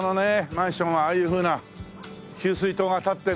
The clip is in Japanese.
マンションはああいうふうな給水塔が立ってるんだよね。